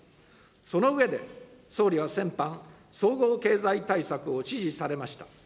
その上で、総理は先般、総合経済対策を指示されました。